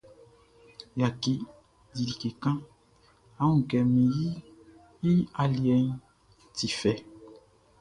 Yaki, di like kan; á wún kɛ min yiʼn i aliɛʼn ti fɛ.